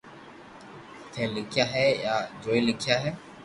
ٿي لکيا ھي يا جوئي لکيا ھي